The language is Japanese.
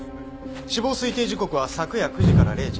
死亡推定時刻は昨夜９時から０時。